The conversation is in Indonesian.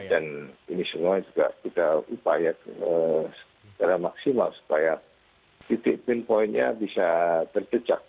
dan ini semuanya juga kita upaya secara maksimal supaya titik pinpointnya bisa terjejak